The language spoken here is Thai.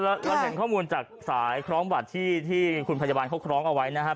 ล้องเสียงข้อมูลจากสายคล้องบัตรที่คุณพยาบาลเค้าคล้องเอาไว้นะฮะ